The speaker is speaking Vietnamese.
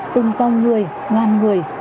từng dòng người ngàn người